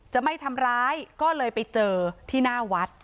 จะไม่ทำร้ายก็เลยไปเจอที่หน้าวัด